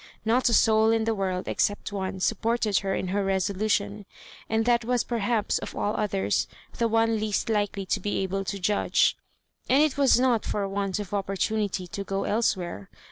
Not a soul in the world except one supported her in her resolution, and tiiat was perhaps, of all others, the one least likely to be able to judge. And it was not for want of opportunity to go elsewhere.